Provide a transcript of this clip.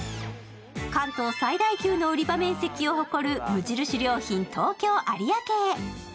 関東最大級の売り場面積を誇る無印良品・東京有明。